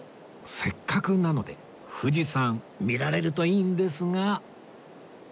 せっかくなので富士山見られるといいんですが